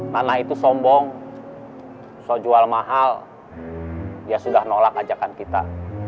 nana itu sombong soal jual mahal dia sudah nolak ajakan kita